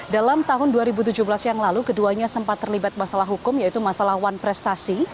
dalam tahun dua ribu tujuh belas yang lalu keduanya sempat terlibat masalah hukum yaitu masalah wan prestasi